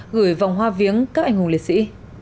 gửi vòng hoa viếng các anh hùng liệt sĩ